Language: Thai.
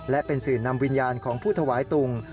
และเป็นสื่อนำวิญญาณของผู้ถวายตุง